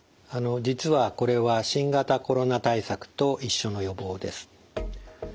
実はこれは新型コロナ対策と一緒の予防です。